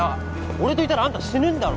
俺といたらあんた死ぬんだろ？